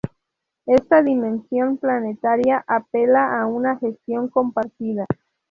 Esta dimensión planetaria apela a una gestión compartida.